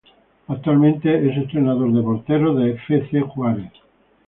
Actualmente es entrenador de porteros de Fc Juarez.